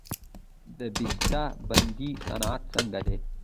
د بسته بندۍ صنعت څنګه دی؟